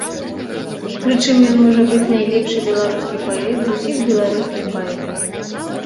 Прычым ён, можа быць, найлепшы беларускі паэт з усіх беларускіх паэтаў.